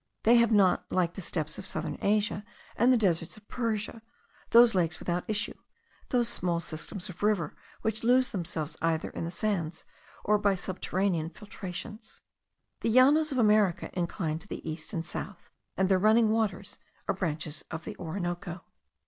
They have not, like the steppes of southern Asia, and the deserts of Persia, those lakes without issue, those small systems of rivers which lose themselves either in the sands, or by subterranean filtrations. The Llanos of America incline to the east and south; and their running waters are branches of the Orinoco.